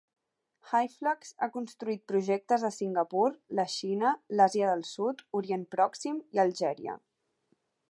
Hyflux ha construït projectes a Singapur, la Xina, l'Àsia del Sud, Orient Pròxim i Algèria.